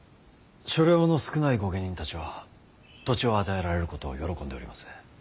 所領の少ない御家人たちは土地を与えられることを喜んでおります。